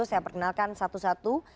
saya perkenalkan satu satu